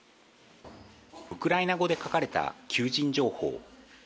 ウクライナ語で書かれた求人情報。